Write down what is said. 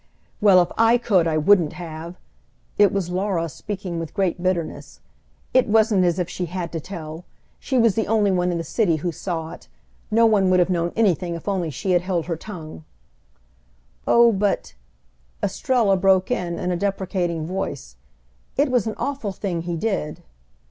"Well, if I could I wouldn't have!" It was Laura speaking with great bitterness. "It wasn't as if she had to tell. She was the only one in the city who saw it. No one would have known anything if only she had held her tongue!" "Oh, but," Estrella broke in, in a deprecating voice, "it was an awful thing he did!"